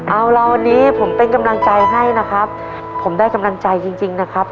เอาล่ะวันนี้ผมเป็นกำลังใจให้นะครับผมได้กำลังใจจริงจริงนะครับ